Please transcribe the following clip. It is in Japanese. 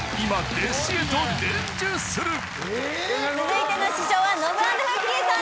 続いての師匠はノブ＆フッキーさん